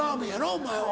お前は。